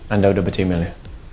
anda udah baca emailnya